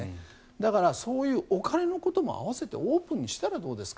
だから、そういうお金のことも併せてオープンにしたらどうですか。